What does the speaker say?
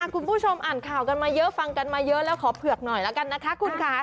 คุณผู้ชมอ่านข่าวกันมาเยอะฟังกันมาเยอะแล้วขอเผือกหน่อยแล้วกันนะคะคุณค่ะ